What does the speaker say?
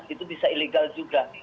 itu bisa ilegal juga